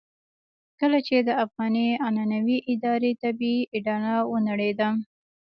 کله چې د افغاني عنعنوي ادارې طبيعي اډانه ونړېده.